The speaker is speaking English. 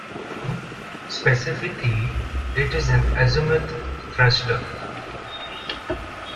Specifically, it is an azimuth thruster.